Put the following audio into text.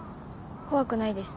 怖くないです。